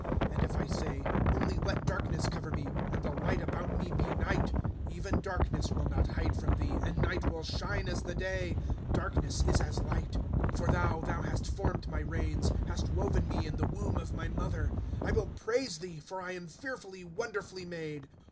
" And if I say : Only let darkness cover me, And the light about me be night ;" Even darkness will not hide from thee, And night will shine as the day ; Darkness is as light. ^^ For thou, thou hast formed my reins, Hast woven me in the womb of my mother. " I will praise thee, for I am fearfully, wonderfully made.